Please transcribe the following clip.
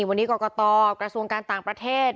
วันนี้กรกตกระทรวงการต่างประเทศ